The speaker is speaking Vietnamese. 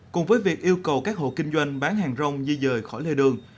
cùng với việc yêu cầu các hộ kinh doanh bán hàng rong di dời khỏi lề đường